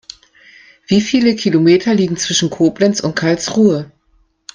Wie viele Kilometer liegen zwischen Koblenz und Karlsruhe?